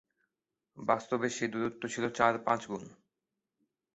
বাস্তবে সে দূরত্ব ছিল চার-পাঁচগুণ।